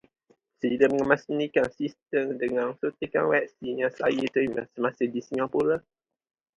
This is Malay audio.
Sila mengemaskinikan sistem dengan suntikan vaksin yang saya terima semasa di Singapura.